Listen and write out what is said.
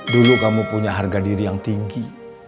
dulu kamu punya harga diri yang tinggi